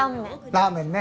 ラーメンね。